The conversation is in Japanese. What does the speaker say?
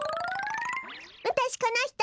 わたしこのひと。